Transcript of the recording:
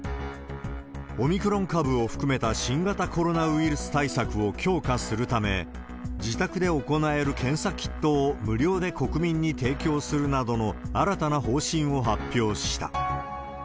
オミクロン株を含めた新型コロナウイルス対策を強化するため、自宅で行える検査キットを無料で国民に提供するなどの新たな方針を発表した。